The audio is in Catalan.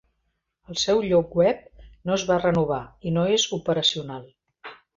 El seu lloc web no es va renovar i no és operacional.